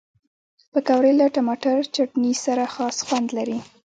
پکورې له ټماټر چټني سره خاص خوند لري